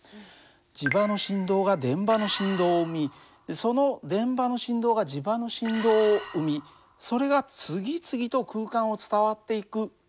磁場の振動が電場の振動を生みその電場の振動が磁場の振動を生みそれが次々と空間を伝わっていく。